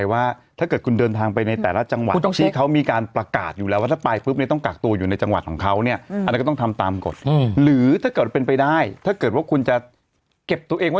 วันศุกร์นี้เราจะเดินทางกลับบ้านกันได้ไหม